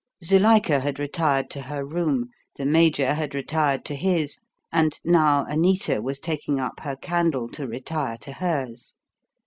Zuilika had retired to her room, the Major had retired to his, and now Anita was taking up her candle to retire to hers.